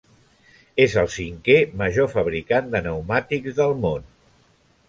És el cinquè major fabricant de pneumàtics del món.